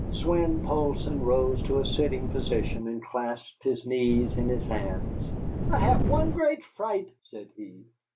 Swein Poulsson rose to a sitting position and clasped his knees in his hands. "I haf one great fright," said he.